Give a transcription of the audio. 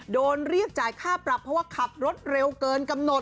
โดนเรียกจ่ายค่าปรับเพราะว่าขับรถเร็วเกินกำหนด